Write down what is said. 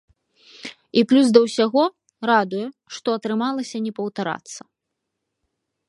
І плюс да ўсяго, радуе, што атрымалася не паўтарацца.